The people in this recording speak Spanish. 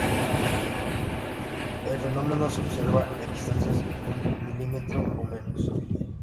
El fenómeno se observa en distancias de un milímetro o menos.